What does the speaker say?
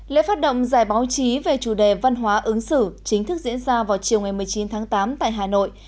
lễ phát động giải báo chí về chủ đề văn hóa ứng xử chính thức diễn ra vào chiều một mươi chín tháng tám tại hà nội